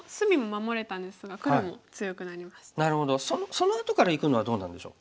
そのあとからいくのはどうなんでしょう？